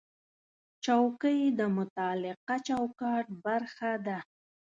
چوکۍ د متعلقه چوکاټ برخه ده.